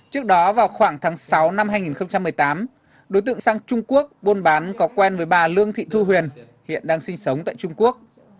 trước đó vào khoảng tháng sáu năm hai nghìn một mươi tám đối tượng sang trung quốc buôn bán có quen với bà lương thị thu huyền hiện đang sinh sống tại trung quốc